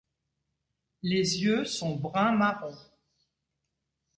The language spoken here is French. Les yeux sont brun marron.